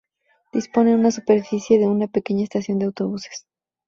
Dispone en superficie de una pequeña estación de autobuses.